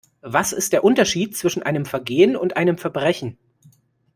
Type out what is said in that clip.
Was ist der Unterschied zwischen einem Vergehen und einem Verbrechen?